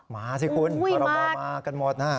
มาสิคุณเขารับมากันหมดนะฮะ